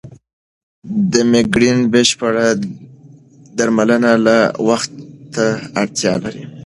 د مېګرین بشپړ درملنه لا وخت ته اړتیا لري.